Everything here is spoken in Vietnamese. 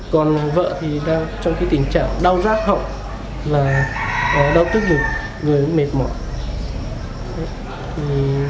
còn vợ thì đang trong cái tình trạng đau rác hộng và đau tức ngực người mệt mỏi